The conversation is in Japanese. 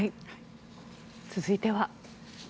続いては。